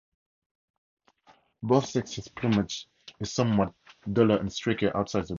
Both sexes' plumage is somewhat duller and streakier outside the breeding season.